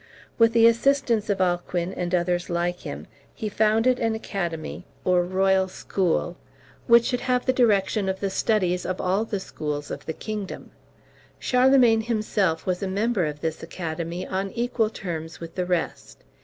With the assistance of Alcuin, and others like him, he founded an academy or royal school, which should have the direction of the studies of all the schools of the kingdom. Charlemagne himself was a member of this academy on equal terms with the rest.